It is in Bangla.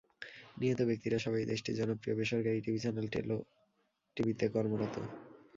নিহত ব্যক্তিরা সবাই দেশটির জনপ্রিয় বেসরকারি টিভি চ্যানেল টোলো টিভিতে কর্মরত।